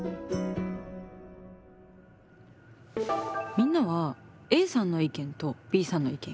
みんなはＡさんの意見とＢさんの意見